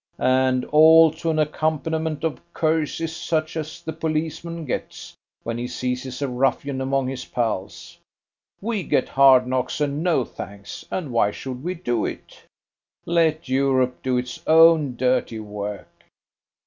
And all to an accompaniment of curses such as the policeman gets when he seizes a ruffian among his pals. We get hard knocks and no thanks, and why should we do it? Let Europe do its own dirty work."